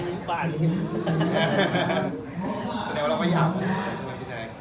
แสดงว่าเราก็อ้อมเลยใช่มั้ยพี่แจง